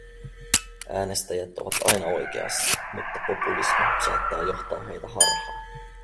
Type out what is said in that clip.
Äänestäjät ovat aina oikeassa, mutta populismi saattaa johtaa heitä harhaan.